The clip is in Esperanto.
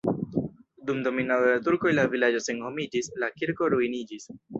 Dum dominado de turkoj la vilaĝo senhomiĝis, la kirko ruiniĝis.